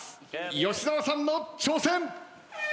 吉沢さんの挑戦。